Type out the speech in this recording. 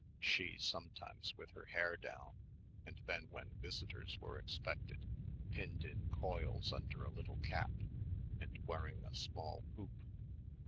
she sometimes with her hair down and then when visitors were expected pinned in coils under a little cap and wearing a small hoop